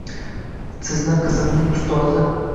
Sizmi qizimning ustozi